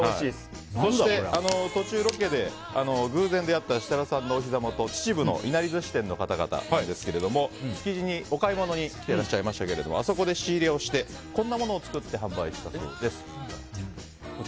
そして途中ロケで偶然出会った設楽さんのおひざ元秩父のいなり寿司店の方々なんですけど築地にお買い物に来てらっしゃいましたけれどもあそこで仕入れをしてこんなものを作って販売したそうです。